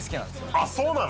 あっそうなの？